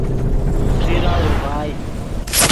خیݰیرہ اورڤائے